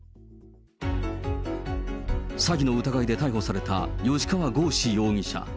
詐欺の疑いで逮捕された吉川剛司容疑者。